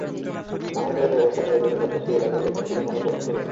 ভাঙন ঠেকাতে ব্যবস্থা নেওয়ার জন্য সম্প্রতি এলাকার লোকজন তীরে মানববন্ধন করেছেন।